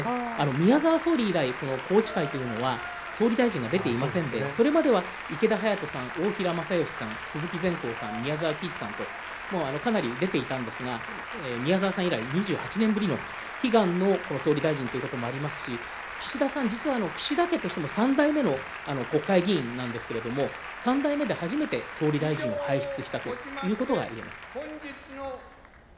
宮沢総理以来、宏池会というのは総理大臣が出ていませんので、それまでは池田勇人さん、大平正芳さん鈴木善幸さん、宮澤喜一さんとかなり出ていたんですが、宮沢さん以来、２８年ぶりの悲願の総理大臣ということもありますし岸田さん、実は岸田家としても３代目の国会議員なんですけれども３代目で初めて総理大臣を輩出したということがいえます。